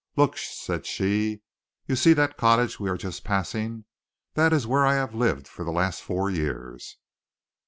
"Look," said she. "You see that cottage we are just passing? That is where I have lived for the last four years."